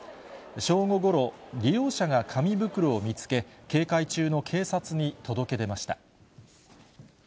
正午ごろ、利用者が紙袋を見つけ、警戒中の警察に届け出ました。